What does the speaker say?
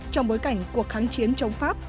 trong bối cảnh cuộc kháng chiến chống pháp